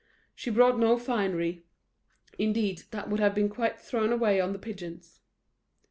She brought no finery; indeed, that would have been quite thrown away on the pigeons.